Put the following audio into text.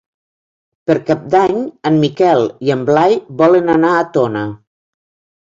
Per Cap d'Any en Miquel i en Blai volen anar a Tona.